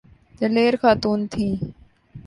دلیر خاتون تھیں۔